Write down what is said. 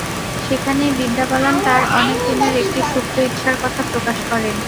সেখানেই বিদ্যা বালান তাঁর অনেক দিনের একটি সুপ্ত ইচ্ছার কথা প্রকাশ করেন।